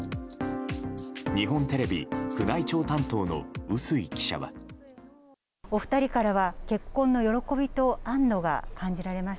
日本テレビ宮内庁担当の笛吹記者は。